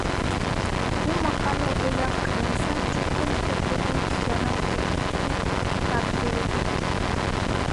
بۇ ماقالە ئېلان قىلىنسا چوقۇم كۆپلىگەن كىشىلەرنىڭ دىققىتى تارتىلىدۇ.